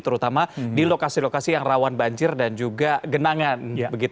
terutama di lokasi lokasi yang rawan banjir dan juga genangan